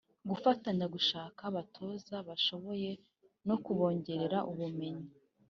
gufatanya gushaka abatoza bashoboye no kubongerera ubumenyi